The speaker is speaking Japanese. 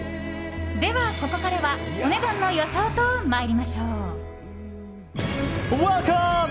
では、ここからはお値段の予想と参りましょう。